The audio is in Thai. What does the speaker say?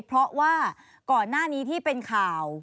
เพราะว่าก่อนหน้านี้ที่เป็นข่าว